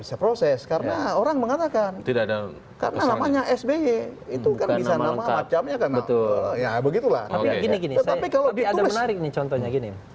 tapi ada menarik nih contohnya gini